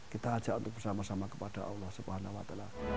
kita ajak untuk bersama sama kepada allah swt